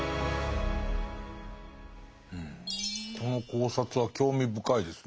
この考察は興味深いですね。